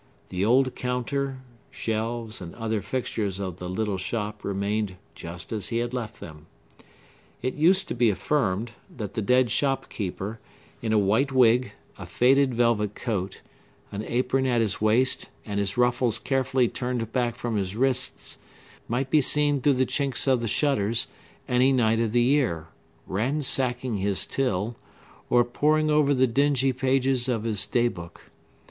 The old counter, shelves, and other fixtures of the little shop remained just as he had left them. It used to be affirmed, that the dead shop keeper, in a white wig, a faded velvet coat, an apron at his waist, and his ruffles carefully turned back from his wrists, might be seen through the chinks of the shutters, any night of the year, ransacking his till, or poring over the dingy pages of his day book.